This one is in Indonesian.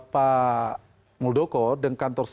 pak muldoko dan kantor